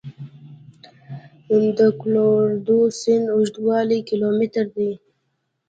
د کلورادو سیند اوږدوالی کیلومتره دی.